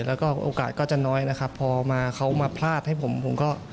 แล้วก็โอกาสก็จะน้อยนะครับพอมาเขามาพลาดให้ผมผมก็